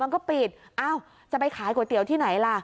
มันก็ปิดอ้าวจะไปขายก๋วยเตี๋ยวที่ไหนล่ะ